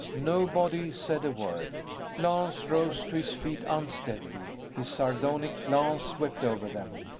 Nobody said a word. Lance rose to his feet, unsteadily. His sardonic glance swept over them.